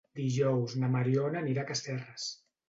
Dijous na Mariona anirà a Casserres.